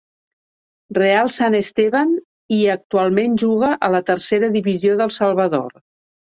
Real San Esteban i actualment juga a la Tercera Divisió d'El Salvador.